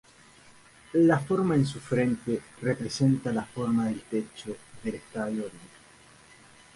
La forma en su frente representa la forma del techo del estadio olímpico.